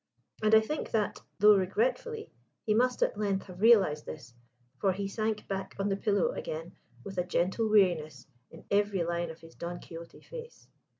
And I think that, though regretfully, he must at length have realised this, for he sank back on the pillow again with a gentle weariness in every line of his Don Quixote face.